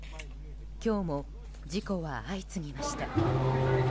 今日も事故は相次ぎました。